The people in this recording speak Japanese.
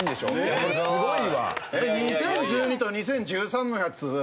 ２０１２と２０１３のやつ？